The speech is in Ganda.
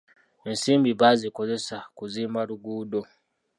Ensimbi baazikozesa kuzimba luguudo.